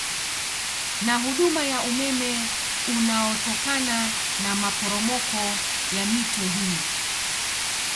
Na huduma ya umeme unaotokana na maporomoko ya mito hii